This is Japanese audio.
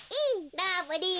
ラブリー。